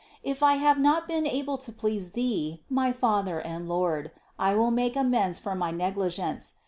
If I have not been able to please Thee, my Father and Lord, I will make amends for my negligence.